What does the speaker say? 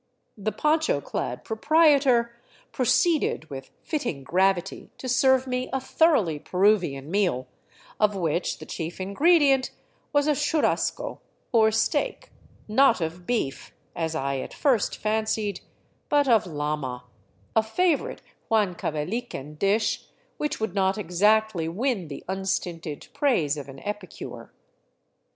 The ponch( clad proprietor proceeded with fitting gravity to serve me a thoroughly OVERLAND TOWARD CUZCO Peruvian meal, of which the chief ingredient was a churrasco, or steak, not of beef, as I at first fancied, but of llama, a favorite Huancavelican dish which would not exactly win the unstinted praise of an epicure.